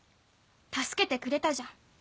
助けてくれたじゃん。